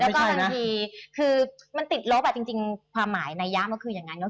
ก็บางทีคือมันติดลบอะจริงความหมายในย้ำก็คือยังไงเนอะ